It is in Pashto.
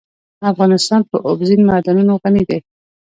افغانستان په اوبزین معدنونه غني دی.